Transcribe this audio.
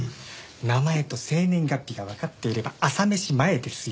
名前と生年月日がわかっていれば朝飯前ですよ。